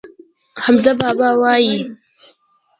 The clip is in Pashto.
حمزه بابا وايي.